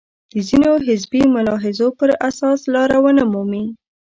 د ځینو حزبي ملاحظو پر اساس لاره ونه مومي.